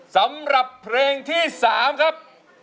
สำหรับเพลงที่๓ครับ